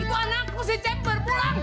itu anakku si cepi baru pulang